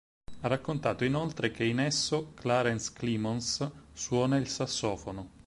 Ha raccontato inoltre che in esso Clarence Clemons suona il sassofono.